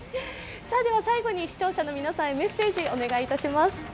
最後に視聴者の皆さんへメッセージ、お願いいたします。